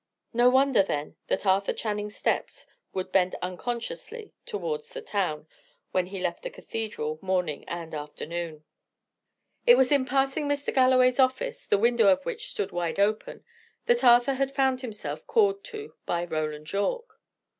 No wonder, then, that Arthur Channing's steps would bend unconsciously towards the town, when he left the cathedral, morning and afternoon. It was in passing Mr. Galloway's office, the window of which stood wide open, that Arthur had found himself called to by Roland Yorke.